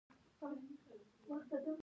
د غوږ د خارش لپاره کوم تېل وکاروم؟